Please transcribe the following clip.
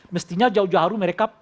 mestinya jauh jauh hari mereka